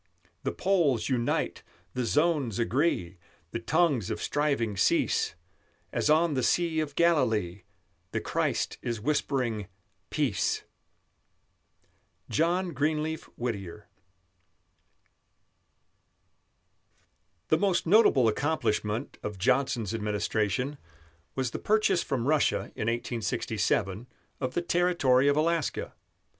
The poles unite, the zones agree, The tongues of striving cease; As on the Sea of Galilee The Christ is whispering, Peace! JOHN GREENLEAF WHITTIER. The most notable accomplishment of Johnson's administration was the purchase from Russia in 1867 of the territory of Alaska.